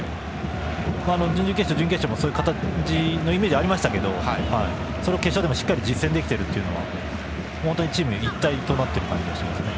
準々決勝、準決勝もそういうイメージがありましたがそれを決勝でもしっかり実践できているのが本当にチームが一体となっている感じがしますね。